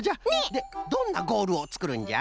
でどんなゴールをつくるんじゃ？